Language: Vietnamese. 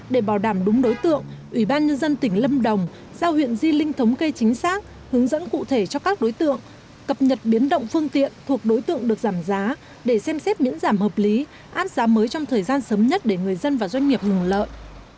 để bảo đảm đúng đối tượng ủy ban nhân dân tỉnh lâm đồng giao huyện di linh thống kê chính xác hướng dẫn cụ thể cho các đối tượng cập nhật biến động phương tiện thuộc đối tượng được giảm giá để xem xét miễn giảm hợp lý áp giá mới trong thời gian sớm nhất để người dân và doanh nghiệp ngừng lợi